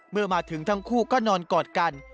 เมื่อมาถึงทั้งคู่ก็นอนกอดกัน